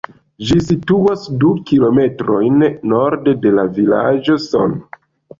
Ĝi situas du kilometrojn norde de la vilaĝo Son.